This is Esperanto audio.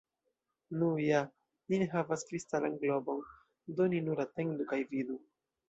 Nu ja, ni ne havas kristalan globon, do ni nur atendu kaj vidu.